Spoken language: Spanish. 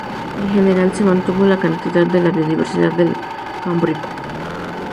En general se mantuvo la cantidad de la biodiversidad del Cámbrico.